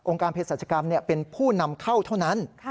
การเพศรัชกรรมเป็นผู้นำเข้าเท่านั้น